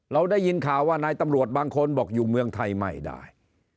ได้ยินข่าวว่านายตำรวจบางคนบอกอยู่เมืองไทยไม่ได้